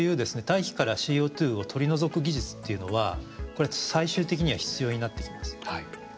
大気からＣＯを取り除く技術っていうのはこれ最終的には必要になってきます。